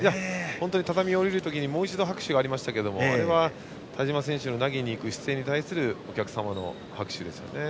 本当に畳を下りる時にもう一度拍手がありましたがあれは田嶋選手の投げに行く姿勢に対するお客様の拍手ですね。